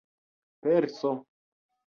perso